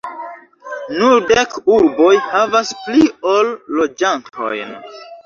Nur dek urboj havas pli ol loĝantojn.